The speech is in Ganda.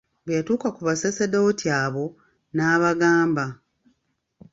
Bwe yatuuka ku Baseserdoti abo n'abagamba.